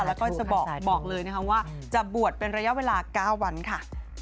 แล้วก็จะบอกเลยนะคะว่าจะบวชเป็นระยะเวลา๙วันค่ะ